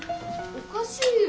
おかしいよ！